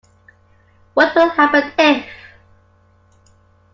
What would happen if...?